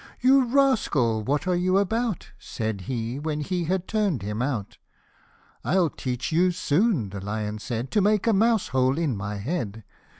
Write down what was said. " You rascal, what are you about," Said he, when he had turn'd him out. " I'll teach you soon," the lion said, " To make a mouse hole in my head